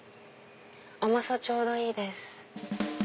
甘さちょうどいいです。